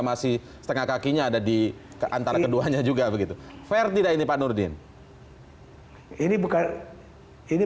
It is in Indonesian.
masih setengah kakinya ada di antara keduanya juga begitu fair tidak ini pak nurdin ini bukan ini